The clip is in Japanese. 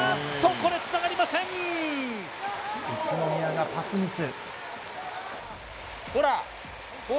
宇都宮がパスミス。